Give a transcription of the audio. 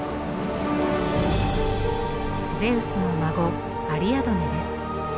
ゼウスの孫アリアドネです。